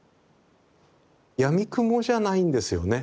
やみくもじゃないんですよね。